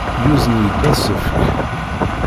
Yuzen-iyi-d asefk.